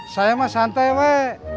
saya mah santai weh